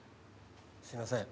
すいません。